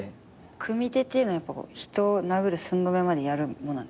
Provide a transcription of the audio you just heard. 組手っていうのは人を殴る寸止めまでやるもんなんですか？